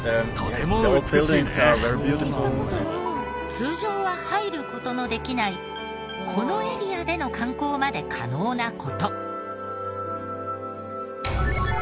通常は入る事のできないこのエリアでの観光まで可能な事。